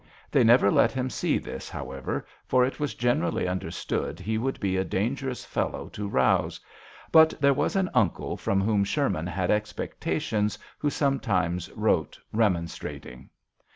They never let him see this, however, for it was generally understood he would be a dangerous fellow to rouse ; but there was an uncle from whom Sherman had expectations who sometimes wrote remonstrating.